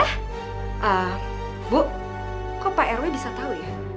eh bu kok pak rw bisa tahu ya